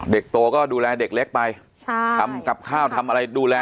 เด็กโตก็ดูแลเด็กเล็กไปใช่ทำกับข้าวทำอะไรดูแล